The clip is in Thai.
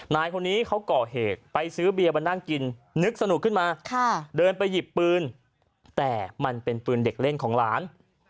นายคนนี้เขาก่อเหตุไปซื้อเบียร์มานั่งกินนึกสนุกขึ้นมาเดินไปหยิบปืนแต่มันเป็นปืนเด็กเล่นของหลาน